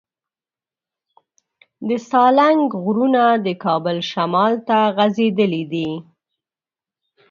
د سالنګ غرونه د کابل شمال ته غځېدلي دي.